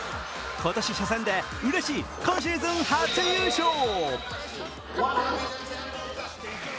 今年初戦でうれしい今シーズン初優勝。